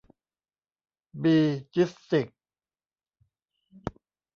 บี จิสติกส์